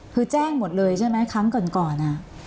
คือแจ้งหมดเลยใช่ไหมครั้งก่อน